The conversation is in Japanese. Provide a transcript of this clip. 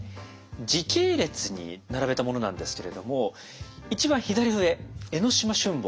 時系列に並べたものなんですけれども一番左上「江島春望」